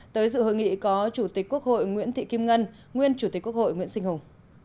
tới dự hội nghị có chủ tịch quốc hội nguyễn thị kim ngân nguyên chủ tịch quốc hội nguyễn sinh hùng